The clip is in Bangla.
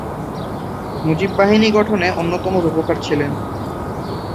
মুজিব বাহিনী গঠনে অন্যতম রূপকার ছিলেন।